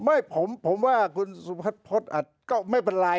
ไม่ผมว่าคุณสุภัทพศก็ไม่เป็นไร